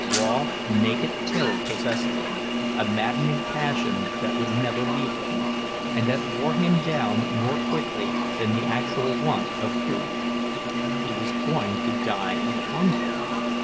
Raw, naked terror possessed him, a maddening passion that would never leave him, and that wore him down more quickly than the actual want of food. He was going to die of hunger!